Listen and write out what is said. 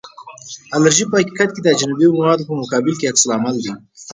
الرژي په حقیقت کې د اجنبي موادو په مقابل کې عکس العمل دی.